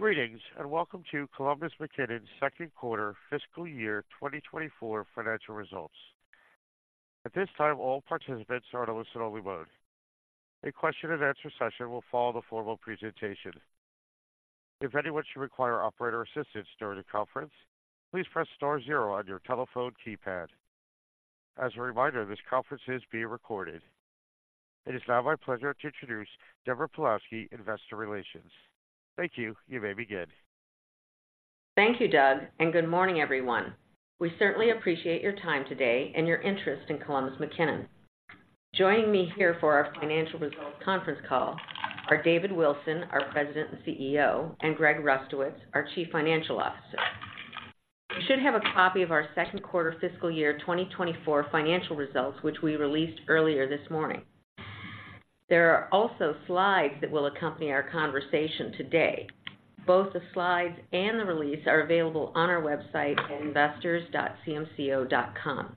Greetings, and welcome to Columbus McKinnon's second quarter fiscal year 2024 financial results. At this time, all participants are in a listen-only mode. A question and answer session will follow the formal presentation. If anyone should require operator assistance during the conference, please press star zero on your telephone keypad. As a reminder, this conference is being recorded. It is now my pleasure to introduce Deborah Pawlowski, Investor Relations. Thank you. You may begin. Thank you, Doug, and good morning, everyone. We certainly appreciate your time today and your interest in Columbus McKinnon. Joining me here for our financial results conference call are David Wilson, our President and CEO, and Gregory Rustowicz, our Chief Financial Officer. You should have a copy of our second quarter fiscal year 2024 financial results, which we released earlier this morning. There are also slides that will accompany our conversation today. Both the slides and the release are available on our website at investors.cmco.com.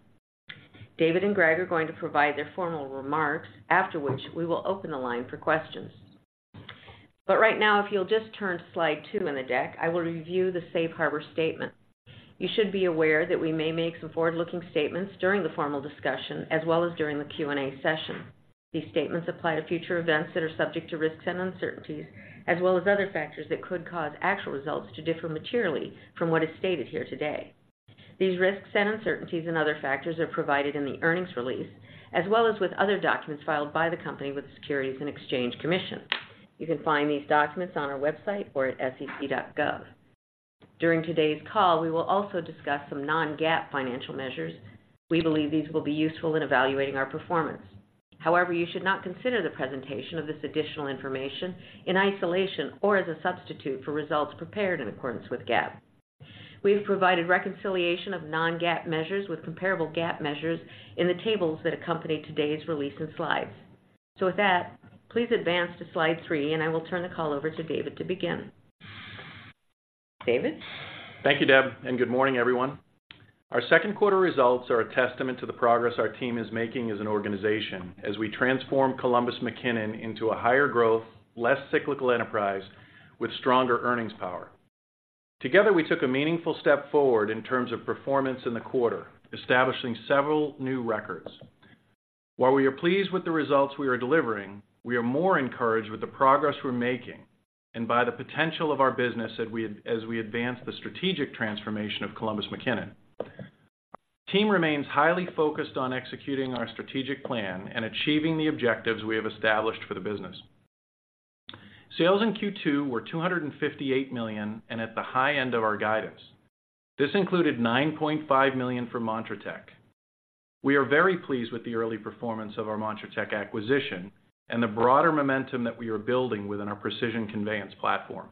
David and Greg are going to provide their formal remarks, after which we will open the line for questions. But right now, if you'll just turn to slide two in the deck, I will review the Safe Harbor statement. You should be aware that we may make some forward-looking statements during the formal discussion as well as during the Q&A session. These statements apply to future events that are subject to risks and uncertainties, as well as other factors that could cause actual results to differ materially from what is stated here today. These risks and uncertainties and other factors are provided in the earnings release, as well as with other documents filed by the company with the Securities and Exchange Commission. You can find these documents on our website or at sec.gov. During today's call, we will also discuss some non-GAAP financial measures. We believe these will be useful in evaluating our performance. However, you should not consider the presentation of this additional information in isolation or as a substitute for results prepared in accordance with GAAP. We have provided reconciliation of non-GAAP measures with comparable GAAP measures in the tables that accompany today's release in slides. With that, please advance to slide three, and I will turn the call over to David to begin. David? Thank you, Deb, and good morning, everyone. Our second quarter results are a testament to the progress our team is making as an organization as we transform Columbus McKinnon into a higher growth, less cyclical enterprise with stronger earnings power. Together, we took a meaningful step forward in terms of performance in the quarter, establishing several new records. While we are pleased with the results we are delivering, we are more encouraged with the progress we're making and by the potential of our business as we, as we advance the strategic transformation of Columbus McKinnon. Team remains highly focused on executing our strategic plan and achieving the objectives we have established for the business. Sales in Q2 were $258 million and at the high end of our guidance. This included $9.5 million for Montratec. We are very pleased with the early performance of our Montratec acquisition and the broader momentum that we are building within our precision conveyance platform.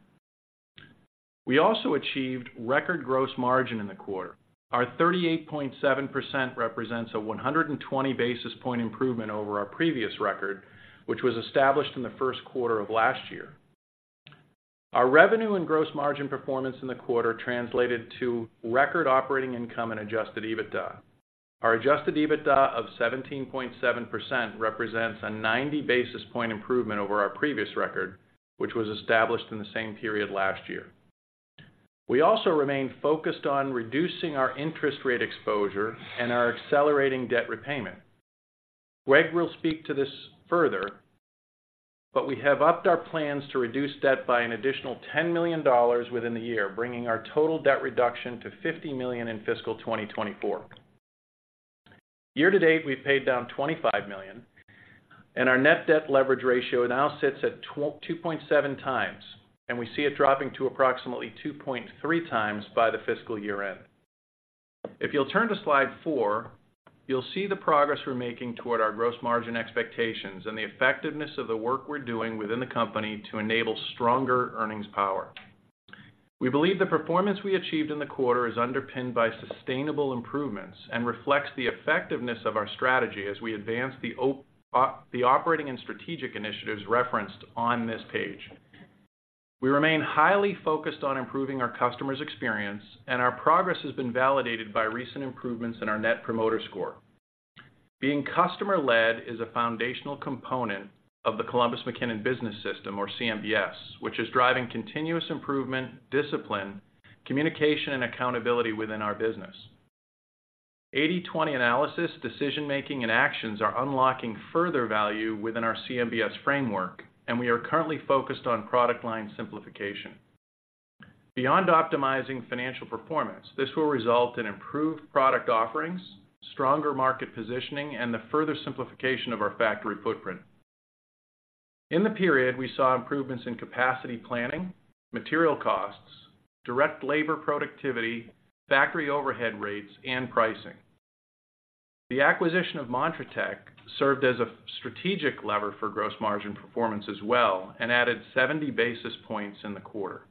We also achieved record gross margin in the quarter. Our 38.7% represents a 120 basis point improvement over our previous record, which was established in the first quarter of last year. Our revenue and gross margin performance in the quarter translated to record operating income and adjusted EBITDA. Our adjusted EBITDA of 17.7% represents a 90 basis point improvement over our previous record, which was established in the same period last year. We also remain focused on reducing our interest rate exposure and are accelerating debt repayment. Greg will speak to this further, but we have upped our plans to reduce debt by an additional $10 million within the year, bringing our total debt reduction to $50 million in fiscal 2024. Year to date, we've paid down $25 million, and our net debt leverage ratio now sits at 2.7 times, and we see it dropping to approximately 2.3 times by the fiscal year end. If you'll turn to slide four, you'll see the progress we're making toward our gross margin expectations and the effectiveness of the work we're doing within the company to enable stronger earnings power. We believe the performance we achieved in the quarter is underpinned by sustainable improvements and reflects the effectiveness of our strategy as we advance the operating and strategic initiatives referenced on this page. We remain highly focused on improving our customer's experience, and our progress has been validated by recent improvements in our Net Promoter Score. Being customer-led is a foundational component of the Columbus McKinnon Business System, or CMBS, which is driving continuous improvement, discipline, communication, and accountability within our business. 80/20 analysis, decision-making, and actions are unlocking further value within our CMBS framework, and we are currently focused on product line simplification. Beyond optimizing financial performance, this will result in improved product offerings, stronger market positioning, and the further simplification of our factory footprint. In the period, we saw improvements in capacity planning, material costs, direct labor productivity, factory overhead rates, and pricing. The acquisition of Montratec served as a strategic lever for gross margin performance as well and added 70 basis points in the quarter.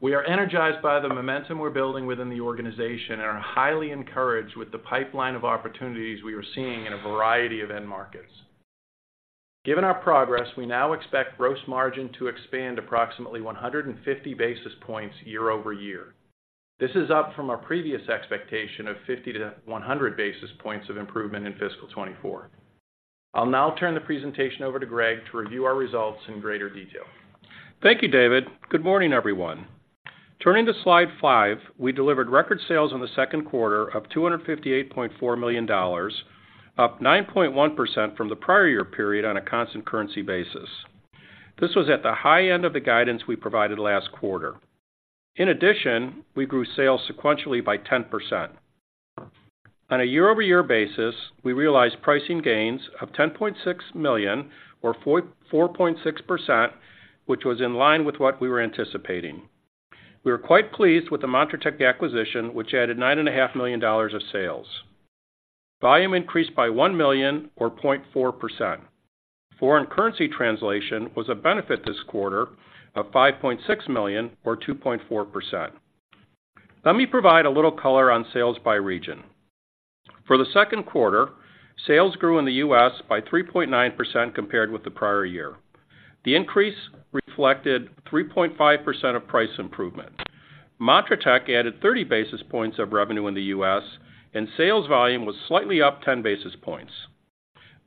We are energized by the momentum we're building within the organization and are highly encouraged with the pipeline of opportunities we are seeing in a variety of end markets. Given our progress, we now expect gross margin to expand approximately 150 basis points year-over-year. This is up from our previous expectation of 50-100 basis points of improvement in fiscal 2024.... I'll now turn the presentation over to Greg to review our results in greater detail. Thank you, David. Good morning, everyone. Turning to slide five, we delivered record sales in the second quarter of $258.4 million, up 9.1% from the prior year period on a constant currency basis. This was at the high end of the guidance we provided last quarter. In addition, we grew sales sequentially by 10%. On a year-over-year basis, we realized pricing gains of $10.6 million, or 4.6%, which was in line with what we were anticipating. We were quite pleased with the Montech acquisition, which added $9.5 million of sales. Volume increased by $1 million, or 0.4%. Foreign currency translation was a benefit this quarter of $5.6 million, or 2.4%. Let me provide a little color on sales by region. For the second quarter, sales grew in the U.S. by 3.9% compared with the prior year. The increase reflected 3.5% of price improvement. Montratec added 30 basis points of revenue in the U.S., and sales volume was slightly up 10 basis points.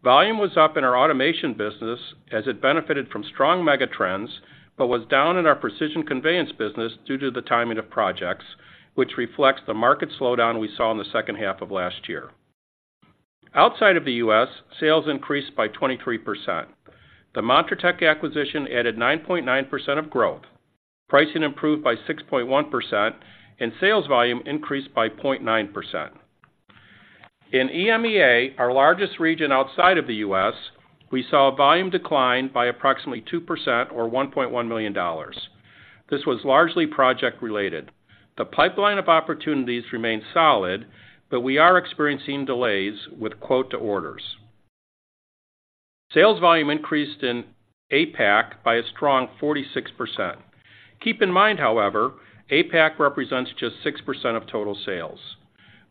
Volume was up in our automation business as it benefited from strong mega trends, but was down in our Precision Conveyance business due to the timing of projects, which Montratec acquisition added 9.9% of growth. Pricing improved by 6.1%, and sales volume increased by 0.9%. In EMEA, our largest region outside of the U.S., we saw a volume decline by approximately 2% or $1.1 million. This was largely project-related. The pipeline of opportunities remains solid, but we are experiencing delays with quote to orders. Sales volume increased in APAC by a strong 46%. Keep in mind, however, APAC represents just 6% of total sales.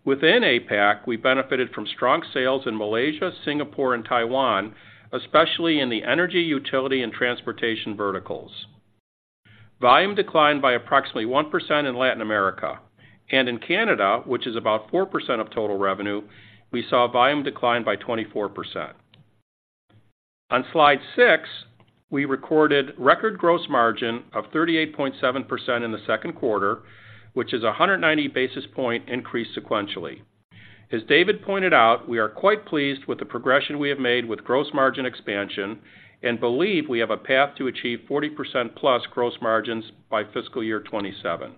Within APAC, we benefited from strong sales in Malaysia, Singapore, and Taiwan, especially in the energy, utility, and transportation verticals. Volume declined by approximately 1% in Latin America, and in Canada, which is about 4% of total revenue, we saw a volume decline by 24%. On slide six, we recorded record gross margin of 38.7% in the second quarter, which is a 190 basis point increase sequentially. As David pointed out, we are quite pleased with the progression we have made with gross margin expansion and believe we have a path to achieve 40%+ gross margins by fiscal year 2027.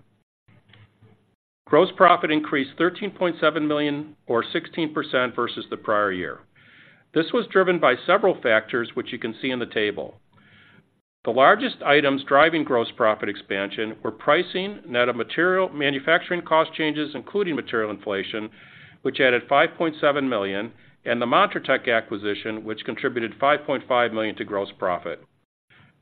Gross profit increased $13.7 million or 16% versus the prior year. This was driven by several factors, which you can see in the table. The largest items driving gross profit expansion were pricing, net of material and manufacturing cost changes, including material inflation, which added $5.7 million, and the Montratec acquisition, which contributed $5.5 million to gross profit.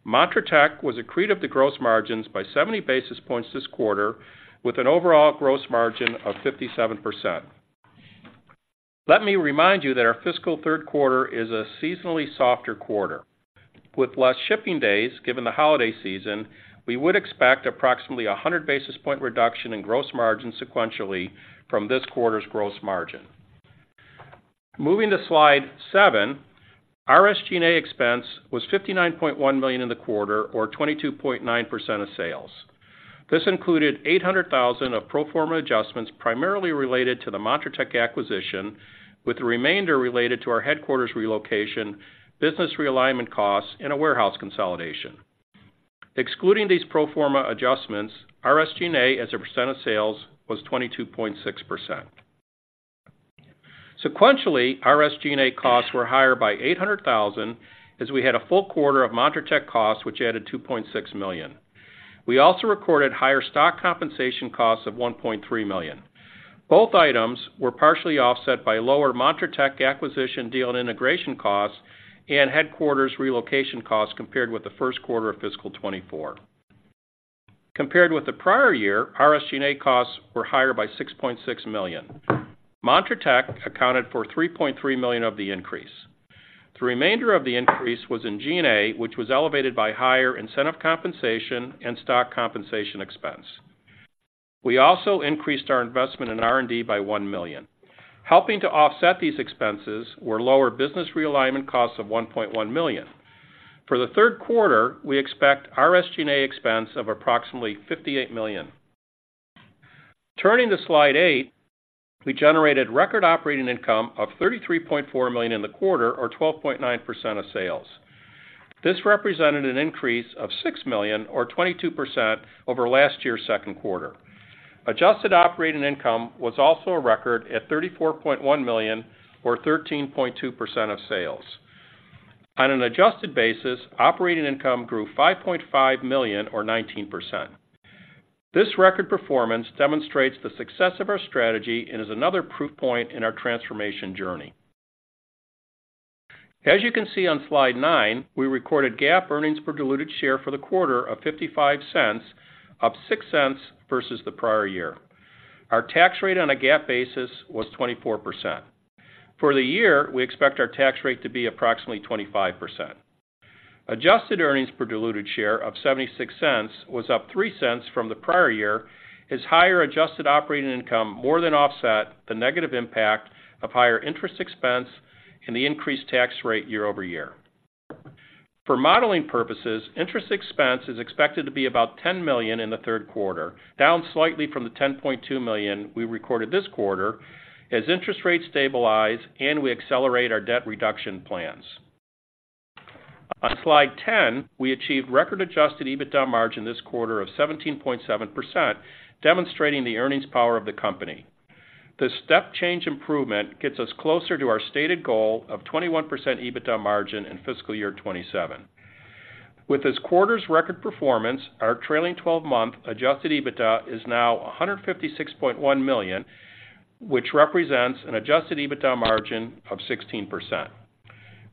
Montratec was accretive to gross margins by 70 basis points this quarter, with an overall gross margin of 57%. Let me remind you that our fiscal third quarter is a seasonally softer quarter. With less shipping days, given the holiday season, we would expect approximately 100 basis point reduction in gross margin sequentially from this quarter's gross margin. Moving to slide seven, our SG&A expense was $59.1 million in the quarter, or 22.9% of sales. This included $800,000 of pro forma adjustments, primarily related to the Montratec acquisition, with the remainder related to our headquarters relocation, business realignment costs, and a warehouse consolidation. Excluding these pro forma adjustments, our SG&A, as a % of sales, was 22.6%. Sequentially, our SG&A costs were higher by $800,000, as we had a full quarter of Montratec costs, which added $2.6 million. We also recorded higher stock compensation costs of $1.3 million. Both items were partially offset by lower Montratec acquisition deal and integration costs and headquarters relocation costs compared with the first quarter of fiscal 2024. Compared with the prior year, our SG&A costs were higher by $6.6 million. Montratec accounted for $3.3 million of the increase. The remainder of the increase was in G&A, which was elevated by higher incentive compensation and stock compensation expense. We also increased our investment in R&D by $1 million. Helping to offset these expenses were lower business realignment costs of $1.1 million. For the third quarter, we expect our SG&A expense of approximately $58 million. Turning to slide eight, we generated record operating income of $33.4 million in the quarter, or 12.9% of sales. This represented an increase of $6 million or 22% over last year's second quarter. Adjusted operating income was also a record at $34.1 million or 13.2% of sales. On an adjusted basis, operating income grew $5.5 million or 19%. This record performance demonstrates the success of our strategy and is another proof point in our transformation journey. As you can see on slide nine, we recorded GAAP earnings per diluted share for the quarter of $0.55, up $0.06 versus the prior year. Our tax rate on a GAAP basis was 24%. For the year, we expect our tax rate to be approximately 25%....Adjusted earnings per diluted share of $0.76 was up $0.03 from the prior year, as higher adjusted operating income more than offset the negative impact of higher interest expense and the increased tax rate year over year. For modeling purposes, interest expense is expected to be about $10 million in the third quarter, down slightly from the $10.2 million we recorded this quarter, as interest rates stabilize and we accelerate our debt reduction plans. On Slide 10, we achieved record Adjusted EBITDA margin this quarter of 17.7%, demonstrating the earnings power of the company. The step change improvement gets us closer to our stated goal of 21% EBITDA margin in fiscal year 2027. With this quarter's record performance, our trailing twelve-month Adjusted EBITDA is now $156.1 million, which represents an Adjusted EBITDA margin of 16%.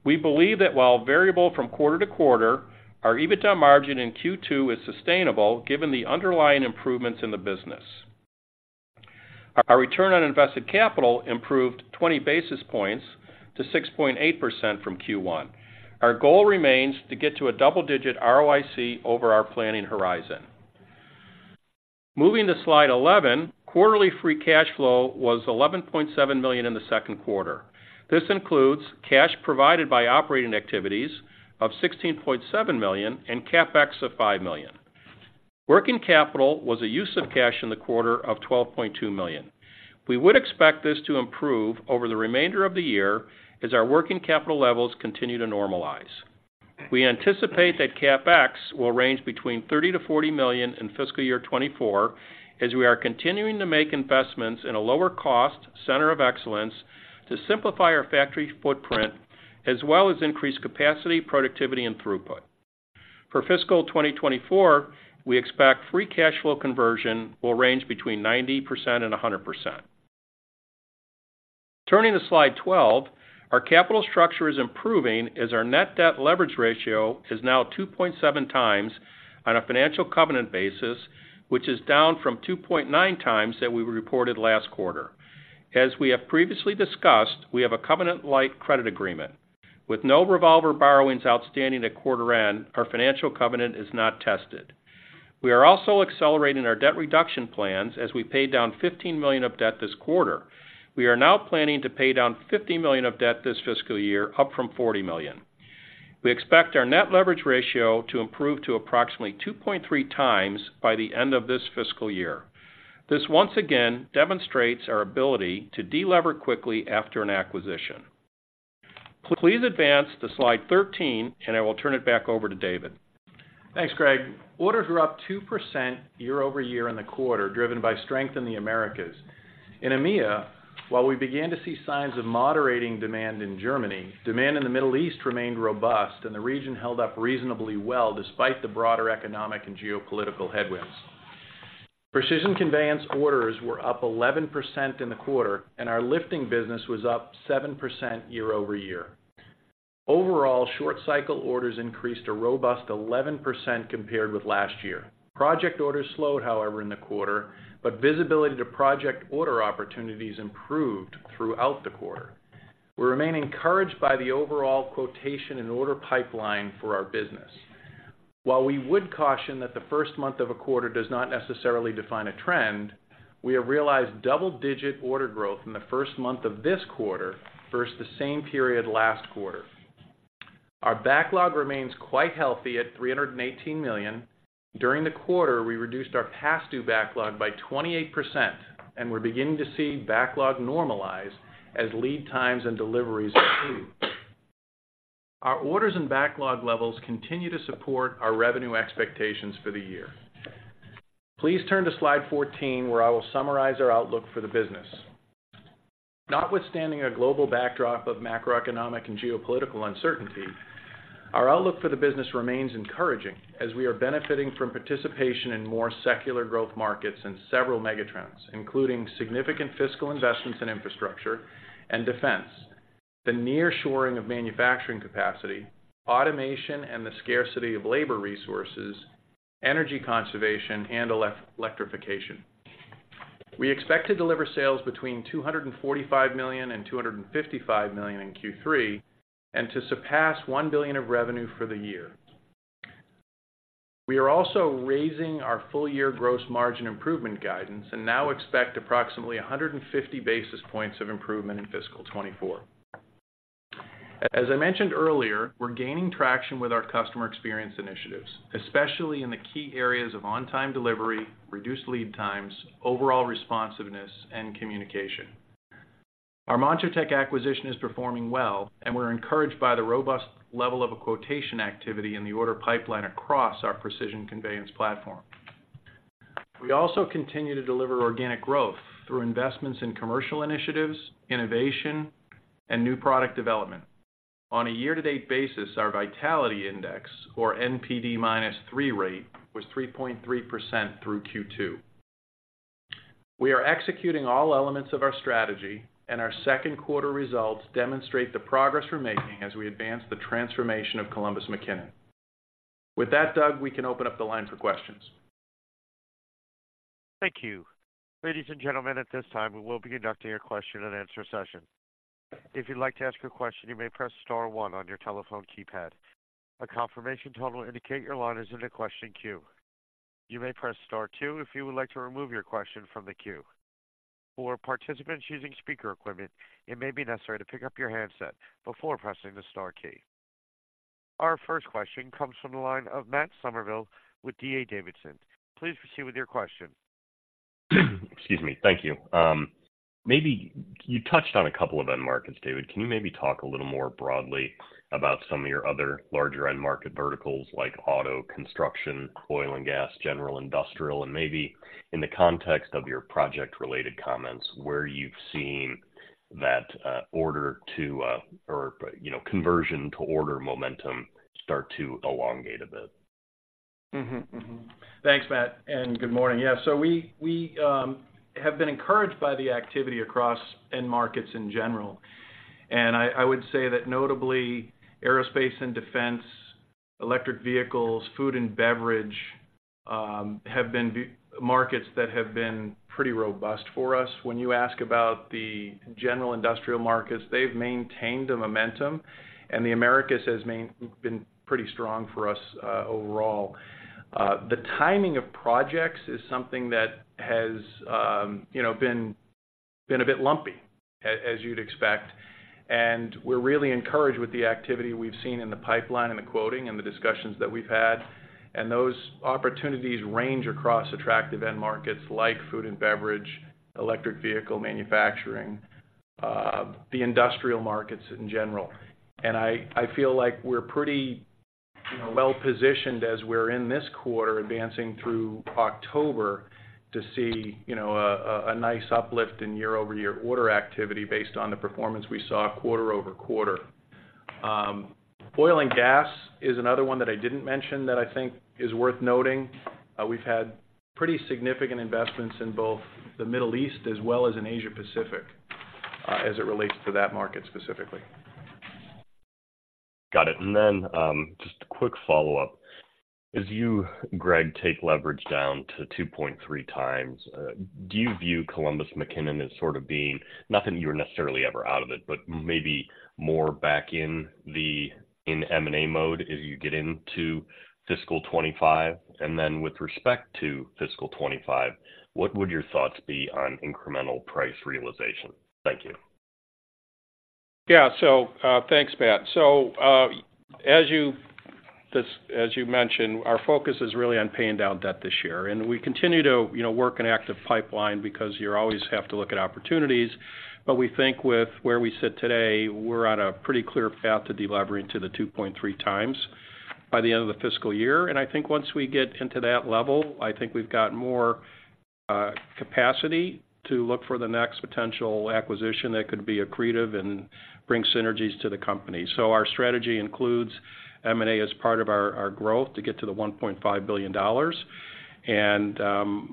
We believe that while variable from quarter to quarter, our EBITDA margin in Q2 is sustainable given the underlying improvements in the business. Our Return on Invested Capital improved 20 basis points to 6.8% from Q1. Our goal remains to get to a double-digit ROIC over our planning horizon. Moving to Slide 11, quarterly free cash flow was $11.7 million in the second quarter. This includes cash provided by operating activities of $16.7 million and CapEx of $5 million. Working capital was a use of cash in the quarter of $12.2 million. We would expect this to improve over the remainder of the year as our working capital levels continue to normalize. We anticipate that CapEx will range between $30 million-$40 million in fiscal year 2024, as we are continuing to make investments in a lower cost center of excellence to simplify our factory footprint, as well as increase capacity, productivity, and throughput. For fiscal 2024, we expect free cash flow conversion will range between 90% and 100%. Turning to Slide 12, our capital structure is improving as our net debt leverage ratio is now 2.7 times on a financial covenant basis, which is down from 2.9 times that we reported last quarter. As we have previously discussed, we have a covenant-like credit agreement. With no revolver borrowings outstanding at quarter end, our financial covenant is not tested. We are also accelerating our debt reduction plans as we pay down $15 million of debt this quarter. We are now planning to pay down $50 million of debt this fiscal year, up from $40 million. We expect our net leverage ratio to improve to approximately 2.3 times by the end of this fiscal year. This once again demonstrates our ability to delever quickly after an acquisition. Please advance to Slide 13, and I will turn it back over to David. Thanks, Greg. Orders were up 2% year-over-year in the quarter, driven by strength in the Americas. In EMEA, while we began to see signs of moderating demand in Germany, demand in the Middle East remained robust, and the region held up reasonably well despite the broader economic and geopolitical headwinds. Precision Conveyance orders were up 11% in the quarter, and our lifting business was up 7% year-over-year. Overall, Short Cycle Orders increased a robust 11% compared with last year. Project orders slowed, however, in the quarter, but visibility to project order opportunities improved throughout the quarter. We remain encouraged by the overall quotation and order pipeline for our business. While we would caution that the first month of a quarter does not necessarily define a trend, we have realized double-digit order growth in the first month of this quarter versus the same period last quarter. Our backlog remains quite healthy at $318 million. During the quarter, we reduced our past due backlog by 28%, and we're beginning to see backlog normalize as lead times and deliveries improve. Our orders and backlog levels continue to support our revenue expectations for the year. Please turn to Slide 14, where I will summarize our outlook for the business. Notwithstanding a global backdrop of macroeconomic and geopolitical uncertainty, our outlook for the business remains encouraging as we are benefiting from participation in more secular growth markets and several megatrends, including significant fiscal investments in infrastructure and defense, the nearshoring of manufacturing capacity, automation, and the scarcity of labor resources, energy conservation, and electrification. We expect to deliver sales between $245 million and $255 million in Q3, and to surpass $1 billion in revenue for the year. We are also raising our full year gross margin improvement guidance, and now expect approximately 150 basis points of improvement in fiscal 2024. As I mentioned earlier, we're gaining traction with our customer experience initiatives, especially in the key areas of on-time delivery, reduced lead times, overall responsiveness, and communication. Our Montratec acquisition is performing well, and we're encouraged by the robust level of quotation activity in the order pipeline across our Precision Conveyance platform. We also continue to deliver organic growth through investments in commercial initiatives, innovation, and new product development. On a year-to-date basis, our Vitality Index, or NPD-3 rate, was 3.3% through Q2. We are executing all elements of our strategy, and our second quarter results demonstrate the progress we're making as we advance the transformation of Columbus McKinnon. With that, Doug, we can open up the line for questions.... Thank you. Ladies and gentlemen, at this time, we will be conducting a question-and-answer session. If you'd like to ask a question, you may press star one on your telephone keypad. A confirmation tone will indicate your line is in the question queue. You may press star two if you would like to remove your question from the queue. For participants using speaker equipment, it may be necessary to pick up your handset before pressing the star key. Our first question comes from the line of Matt Summerville with D.A. Davidson. Please proceed with your question. Excuse me. Thank you. Maybe you touched on a couple of end markets, David. Can you maybe talk a little more broadly about some of your other larger end market verticals like auto, construction, oil and gas, general, industrial, and maybe in the context of your project-related comments, where you've seen that, order, or, you know, conversion to order momentum start to elongate a bit? Mm-hmm. Mm-hmm. Thanks, Matt, and good morning. Yeah, so we have been encouraged by the activity across end markets in general. And I would say that notably aerospace and defense, electric vehicles, food and beverage have been markets that have been pretty robust for us. When you ask about the general industrial markets, they've maintained the momentum, and the Americas has been pretty strong for us overall. The timing of projects is something that has you know been a bit lumpy, as you'd expect, and we're really encouraged with the activity we've seen in the pipeline and the quoting and the discussions that we've had. And those opportunities range across attractive end markets like food and beverage, electric vehicle manufacturing, the industrial markets in general. I feel like we're pretty, you know, well-positioned as we're in this quarter, advancing through October, to see, you know, a nice uplift in year-over-year order activity based on the performance we saw quarter-over-quarter. Oil and gas is another one that I didn't mention, that I think is worth noting. We've had pretty significant investments in both the Middle East as well as in Asia Pacific, as it relates to that market specifically. Got it. And then, just a quick follow-up. As you, Greg, take leverage down to 2.3 times, do you view Columbus McKinnon as sort of being nothing you were necessarily ever out of it, but maybe more back in the, in M&A mode as you get into fiscal 2025? And then with respect to fiscal 2025, what would your thoughts be on incremental price realization? Thank you. Yeah. So, thanks, Matt. So, as you mentioned, our focus is really on paying down debt this year, and we continue to, you know, work an active pipeline because you always have to look at opportunities. But we think with where we sit today, we're on a pretty clear path to deleveraging to the 2.3 times by the end of the fiscal year. And I think once we get into that level, I think we've got more capacity to look for the next potential acquisition that could be accretive and bring synergies to the company. So our strategy includes M&A as part of our, our growth to get to the $1.5 billion. And,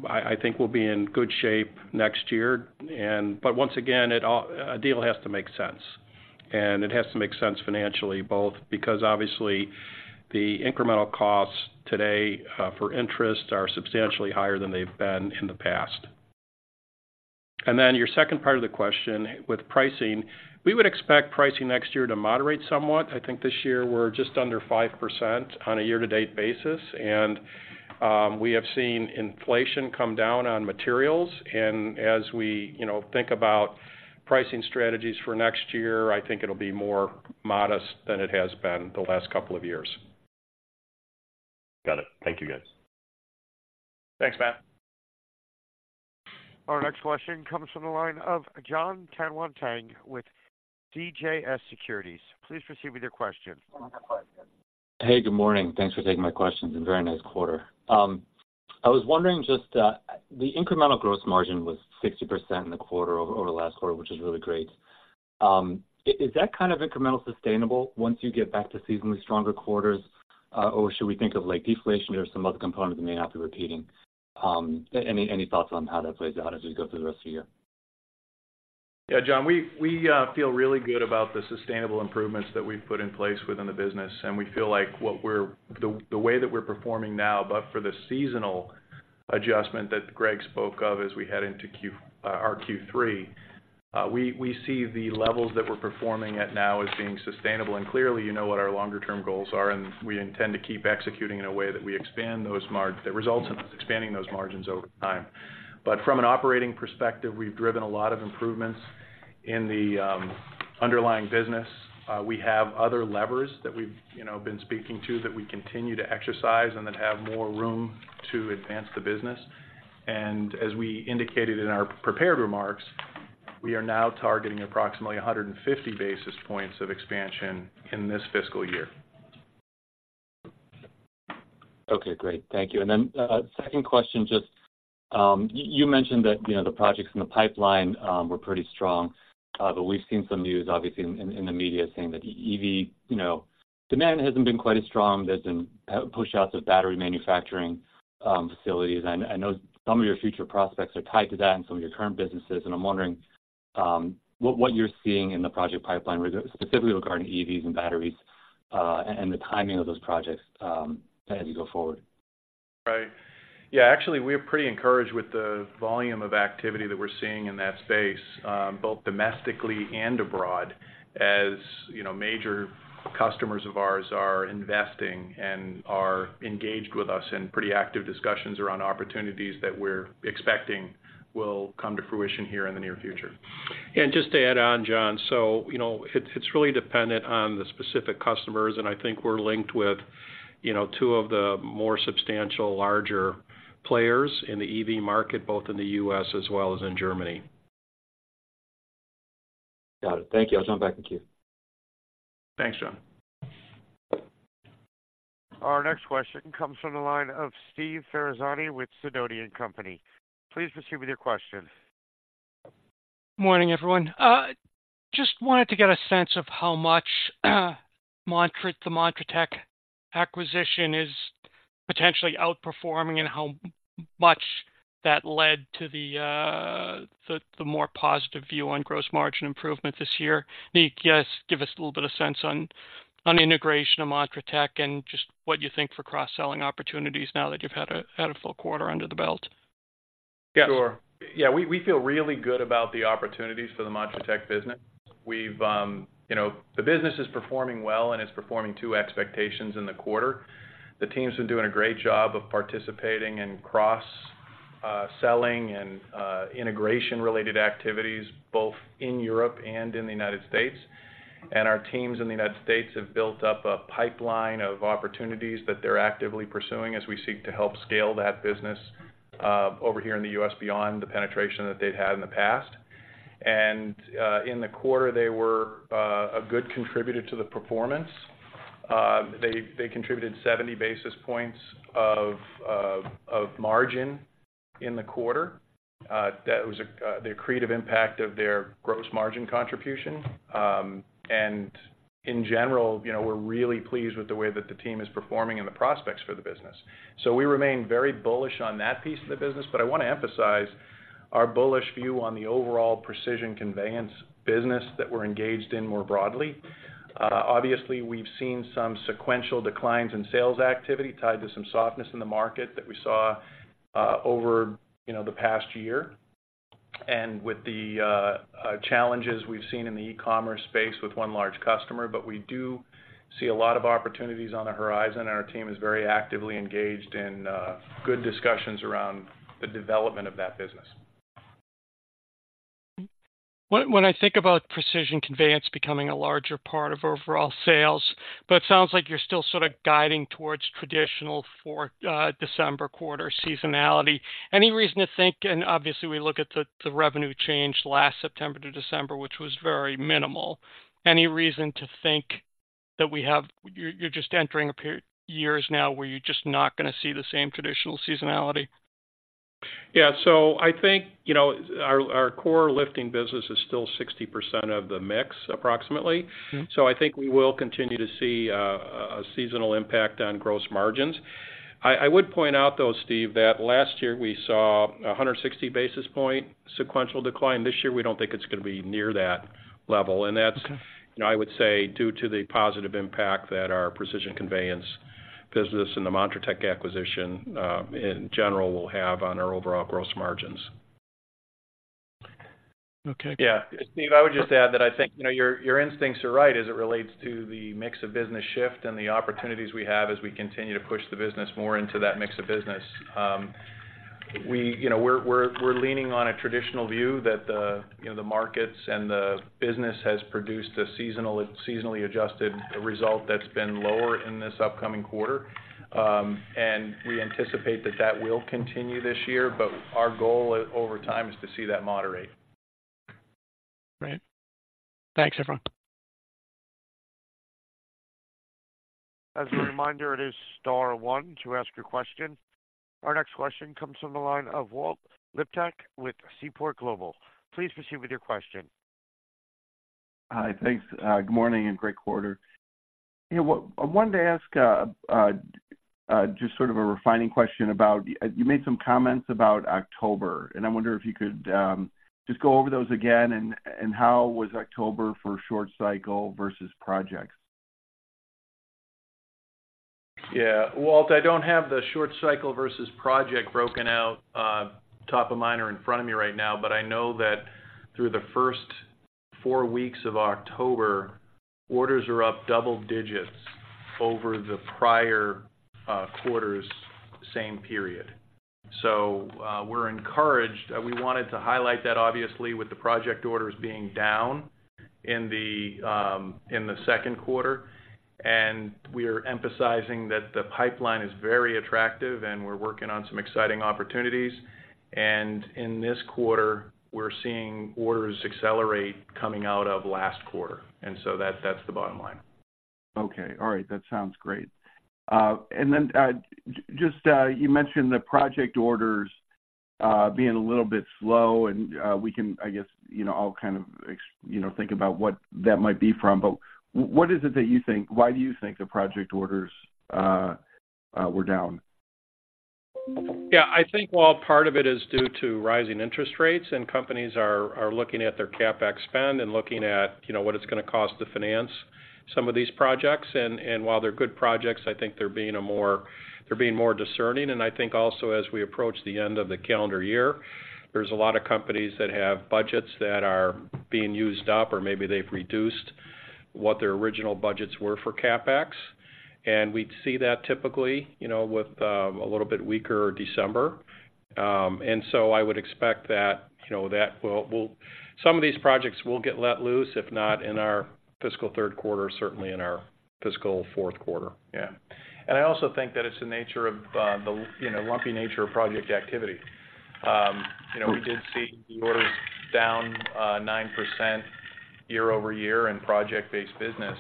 I think we'll be in good shape next year. But once again, it all, a deal has to make sense, and it has to make sense financially, both because obviously, the incremental costs today, for interest are substantially higher than they've been in the past. And then your second part of the question, with pricing, we would expect pricing next year to moderate somewhat. I think this year we're just under 5% on a year-to-date basis, and, we have seen inflation come down on materials. And as we, you know, think about pricing strategies for next year, I think it'll be more modest than it has been the last couple of years. Got it. Thank you, guys. Thanks, Matt. Our next question comes from the line of John Tanwanteng with CJS Securities. Please proceed with your question. Hey, good morning. Thanks for taking my questions, and very nice quarter. I was wondering, just, the incremental gross margin was 60% in the quarter over the last quarter, which is really great. Is that kind of incremental sustainable once you get back to seasonally stronger quarters, or should we think of, like, deflation or some other components that may not be repeating? Any thoughts on how that plays out as we go through the rest of the year? Yeah, John, we feel really good about the sustainable improvements that we've put in place within the business, and we feel like the way that we're performing now, but for the seasonal adjustment that Greg spoke of as we head into our Q3, we see the levels that we're performing at now as being sustainable. And clearly, you know what our longer-term goals are, and we intend to keep executing in a way that results in us expanding those margins over time. But from an operating perspective, we've driven a lot of improvements in the underlying business. We have other levers that we've, you know, been speaking to, that we continue to exercise and then have more room to advance the business. As we indicated in our prepared remarks, we are now targeting approximately 150 basis points of expansion in this fiscal year. Okay, great. Thank you. And then, second question, just, you mentioned that, you know, the projects in the pipeline, were pretty strong, but we've seen some news obviously in, in the media saying that EV, you know, demand hasn't been quite as strong. There's been, pushouts of battery manufacturing, facilities. I, I know some of your future prospects are tied to that and some of your current businesses, and I'm wondering, what, what you're seeing in the project pipeline, specifically regarding EVs and batteries?... and the timing of those projects, as you go forward? Right. Yeah, actually, we're pretty encouraged with the volume of activity that we're seeing in that space, both domestically and abroad, as, you know, major customers of ours are investing and are engaged with us in pretty active discussions around opportunities that we're expecting will come to fruition here in the near future. And just to add on, John, so, you know, it's, it's really dependent on the specific customers, and I think we're linked with, you know, two of the more substantial, larger players in the EV market, both in the U.S. as well as in Germany. Got it. Thank you. I'll jump back in the queue. Thanks, John. Our next question comes from the line of Steve Ferazani with Sidoti & Company. Please proceed with your question. Morning, everyone. Just wanted to get a sense of how much Montratec, the Montratec acquisition is potentially outperforming and how much that led to the more positive view on gross margin improvement this year. Can you just give us a little bit of sense on integration of montratec and just what you think for cross-selling opportunities now that you've had a full quarter under the belt? Sure. Yeah, we feel really good about the opportunities for the montratec business. We've, you know, the business is performing well, and it's performing to expectations in the quarter. The team's been doing a great job of participating in cross selling and integration related activities, both in Europe and in the United States. And our teams in the United States have built up a pipeline of opportunities that they're actively pursuing as we seek to help scale that business, over here in the U.S., beyond the penetration that they've had in the past. And in the quarter, they were a good contributor to the performance. They contributed 70 basis points of margin in the quarter. That was the accretive impact of their gross margin contribution. In general, you know, we're really pleased with the way that the team is performing and the prospects for the business. So we remain very bullish on that piece of the business, but I wanna emphasize our bullish view on the overall Precision Conveyance business that we're engaged in more broadly. Obviously, we've seen some sequential declines in sales activity tied to some softness in the market that we saw over, you know, the past year, and with the challenges we've seen in the e-commerce space with one large customer. But we do see a lot of opportunities on the horizon, and our team is very actively engaged in good discussions around the development of that business. When I think about Precision Conveyance becoming a larger part of overall sales, but it sounds like you're still sort of guiding towards traditional for December quarter seasonality. Any reason to think, and obviously, we look at the revenue change last September to December, which was very minimal. Any reason to think that we have... You're just entering a per- years now, where you're just not gonna see the same traditional seasonality? Yeah. So I think, you know, our core lifting business is still 60% of the mix, approximately. Mm-hmm. So I think we will continue to see a seasonal impact on gross margins. I would point out, though, Steve, that last year we saw a 160 basis point sequential decline. This year, we don't think it's gonna be near that level, and that's- Okay... you know, I would say, due to the positive impact that our Precision Conveyance business and the montratec acquisition, in general, will have on our overall gross margins. Okay. Yeah. Steve, I would just add that I think, you know, your instincts are right as it relates to the mix of business shift and the opportunities we have as we continue to push the business more into that mix of business. We, you know, we're leaning on a traditional view that the, you know, the markets and the business has produced a seasonal, seasonally adjusted result that's been lower in this upcoming quarter. And we anticipate that that will continue this year, but our goal over time is to see that moderate. Great. Thanks, everyone. As a reminder, it is star one to ask your question. Our next question comes from the line of Walt Liptak with Seaport Global. Please proceed with your question. Hi. Thanks, good morning and great quarter. You know what, I wanted to ask, just sort of a refining question about... You made some comments about October, and I wonder if you could, just go over those again, and, and how was October for short cycle versus projects? Yeah, Walt, I don't have the short cycle versus project broken out, top of mind or in front of me right now, but I know that through the first four weeks of October, orders are up double digits over the prior quarter's same period. So, we're encouraged. We wanted to highlight that, obviously, with the project orders being down in the second quarter, and we are emphasizing that the pipeline is very attractive, and we're working on some exciting opportunities. And in this quarter, we're seeing orders accelerate coming out of last quarter, and so that's the bottom line. Okay, all right. That sounds great. And then, just, you mentioned the project orders being a little bit slow, and we can, I guess, you know, I'll kind of, you know, think about what that might be from. But what is it that you think—why do you think the project orders were down?... Yeah, I think while part of it is due to rising interest rates, and companies are looking at their CapEx spend and looking at, you know, what it's gonna cost to finance some of these projects. And while they're good projects, I think they're being more discerning. And I think also as we approach the end of the calendar year, there's a lot of companies that have budgets that are being used up, or maybe they've reduced what their original budgets were for CapEx. And we'd see that typically, you know, with a little bit weaker December. And so I would expect that, you know, that will... Some of these projects will get let loose, if not in our fiscal third quarter, certainly in our fiscal fourth quarter. Yeah. And I also think that it's the nature of, you know, the lumpy nature of project activity. You know, we did see the orders down 9% year-over-year in project-based business.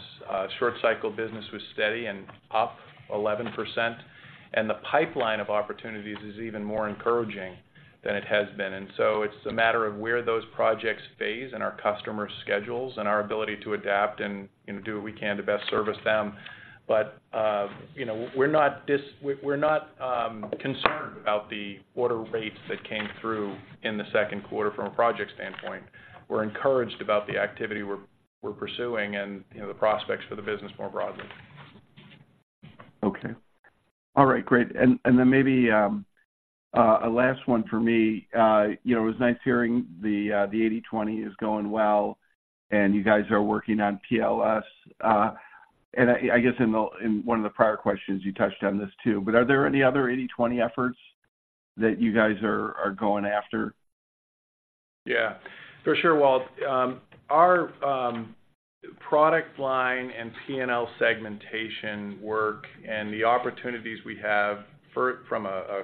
Short cycle business was steady and up 11%, and the pipeline of opportunities is even more encouraging than it has been. And so it's a matter of where those projects phase and our customer schedules and our ability to adapt and, you know, do what we can to best service them. But, you know, we're not concerned about the order rates that came through in the second quarter from a project standpoint. We're encouraged about the activity we're pursuing and, you know, the prospects for the business more broadly. Okay. All right, great. And then maybe a last one for me. You know, it was nice hearing the 80/20 is going well, and you guys are working on PLS. And I guess in the—in one of the prior questions, you touched on this too, but are there any other 80/20 efforts that you guys are going after? Yeah, for sure, Walt. Our product line and PNL segmentation work and the opportunities we have from a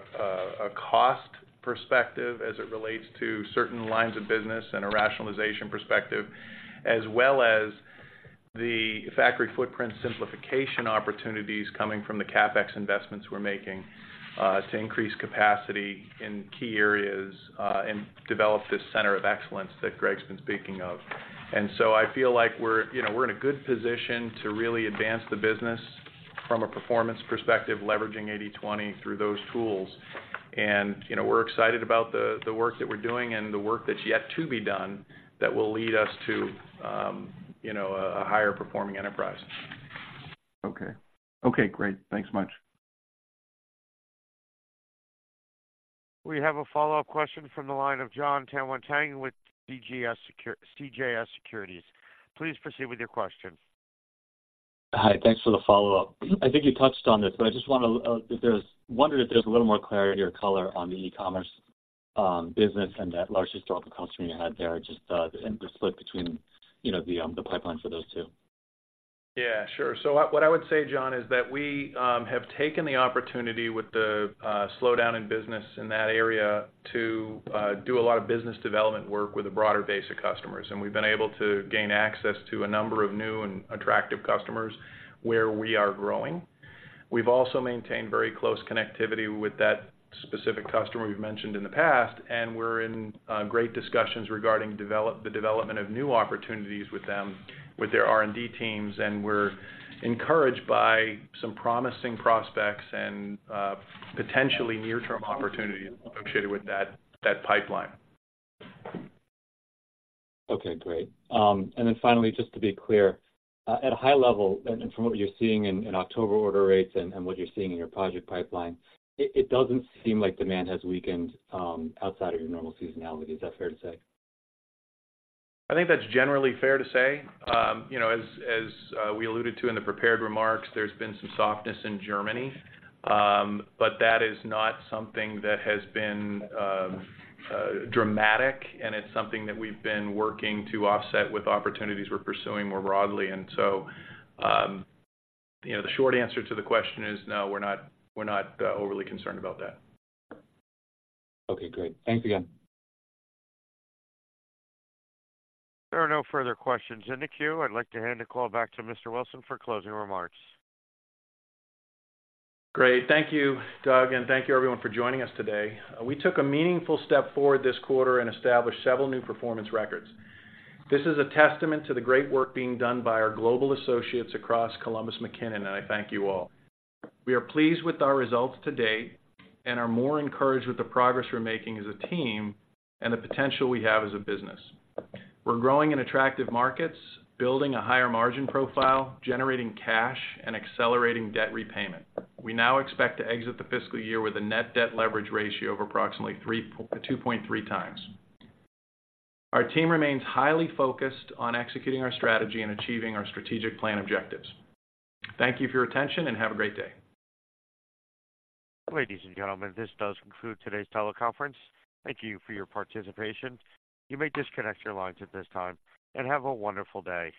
cost perspective as it relates to certain lines of business and a rationalization perspective, as well as the factory footprint simplification opportunities coming from the CapEx investments we're making to increase capacity in key areas and develop this center of excellence that Greg's been speaking of. And so I feel like we're, you know, we're in a good position to really advance the business from a performance perspective, leveraging 80/20 through those tools. And, you know, we're excited about the work that we're doing and the work that's yet to be done, that will lead us to, you know, a higher performing enterprise. Okay. Okay, great. Thanks much. We have a follow-up question from the line of John Tanwanteng with CJS Securities. Please proceed with your question. Hi, thanks for the follow-up. I think you touched on this, but I just want to wonder if there's a little more clarity or color on the e-commerce business and that largest optical customer you had there, just, and the split between, you know, the pipeline for those two. Yeah, sure. So what I would say, John, is that we have taken the opportunity with the slowdown in business in that area to do a lot of business development work with a broader base of customers. And we've been able to gain access to a number of new and attractive customers where we are growing. We've also maintained very close connectivity with that specific customer we've mentioned in the past, and we're in great discussions regarding the development of new opportunities with them, with their R&D teams. And we're encouraged by some promising prospects and potentially near-term opportunities associated with that pipeline. Okay, great. And then finally, just to be clear, at a high level and from what you're seeing in October order rates and what you're seeing in your project pipeline, it doesn't seem like demand has weakened, outside of your normal seasonality. Is that fair to say? I think that's generally fair to say. You know, as we alluded to in the prepared remarks, there's been some softness in Germany. But that is not something that has been dramatic, and it's something that we've been working to offset with opportunities we're pursuing more broadly. And so, you know, the short answer to the question is no, we're not overly concerned about that. Okay, great. Thanks again. There are no further questions in the queue. I'd like to hand the call back to Mr. Wilson for closing remarks. Great. Thank you, Doug, and thank you everyone for joining us today. We took a meaningful step forward this quarter and established several new performance records. This is a testament to the great work being done by our global associates across Columbus McKinnon, and I thank you all. We are pleased with our results to date and are more encouraged with the progress we're making as a team and the potential we have as a business. We're growing in attractive markets, building a higher margin profile, generating cash, and accelerating debt repayment. We now expect to exit the fiscal year with a net debt leverage ratio of approximately 2.3 times. Our team remains highly focused on executing our strategy and achieving our strategic plan objectives. Thank you for your attention, and have a great day. Ladies and gentlemen, this does conclude today's teleconference. Thank you for your participation. You may disconnect your lines at this time, and have a wonderful day.